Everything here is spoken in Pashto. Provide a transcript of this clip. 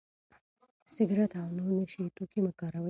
سګرټ او نور نشه يي توکي مه کاروئ.